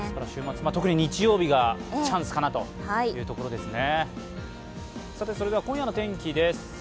特に日曜日がチャンスかなというところですね。